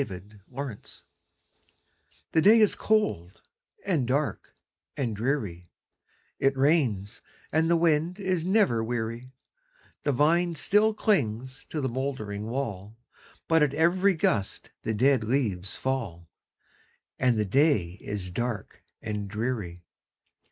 THE RAINY DAY The day is cold, and dark, and dreary; It rains, and the wind is never weary; The vine still clings to the mouldering wall, But at every gust the dead leaves fall, And the day is dark and dreary!